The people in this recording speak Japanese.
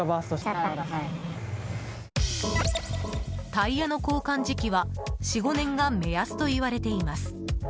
タイヤの交換時期は４５年が目安といわれています。